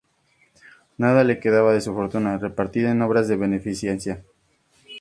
Nada le quedaba de su fortuna, repartida en obras de beneficencia.